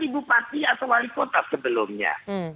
bupati atau wali kota sebelumnya